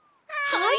はい！